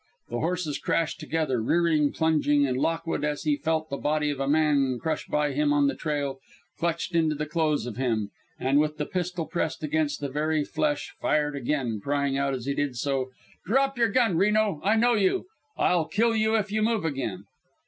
The horses crashed together, rearing, plunging, and Lockwood, as he felt the body of a man crush by him on the trail, clutched into the clothes of him, and, with the pistol pressed against the very flesh, fired again, crying out as he did so: "Drop your gun, Reno! I know you. I'll kill you if you move again!"